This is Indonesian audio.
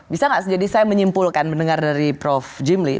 bisa nggak jadi saya menyimpulkan mendengar dari prof jimli